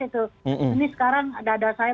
itu ini sekarang ada ada saya